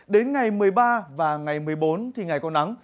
đến ngày một mươi ba và ngày một mươi bốn thì ngày có nắng